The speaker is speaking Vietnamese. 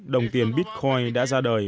đồng tiền bitcoin đã ra đời